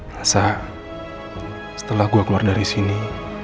rasa setelah gue keluar dari sini